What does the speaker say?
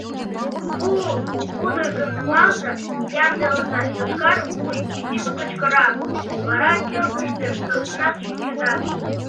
Пу пудыргым нумалза, ямдылыза — йошкар вуй Вечу кычкыра, — вара келгыште туртынат шинчыда...